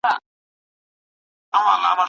پاچا ته مخ لوڅوي سپینه سپوږمۍ